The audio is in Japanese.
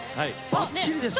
ばっちりですね！